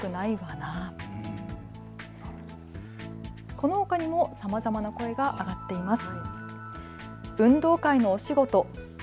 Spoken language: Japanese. このほかにもさまざまな声が上がっています。